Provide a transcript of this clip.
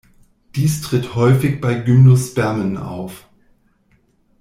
Dies tritt häufig bei Gymnospermen auf.